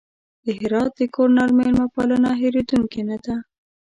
د هرات د ګورنر مېلمه پالنه هېرېدونکې نه ده.